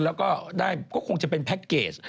แล้วก็ได้ก็คงจะเป็นแพ็คเกจ